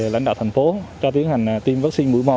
lãnh đạo thành phố cho tiến hành tiêm vaccine mũi mô